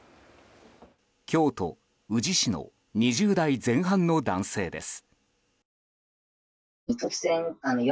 京都・宇治市の２０代前半の男性です。